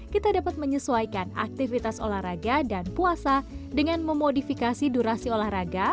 kita dapat menyesuaikan aktivitas olahraga dan puasa dengan memodifikasi durasi olahraga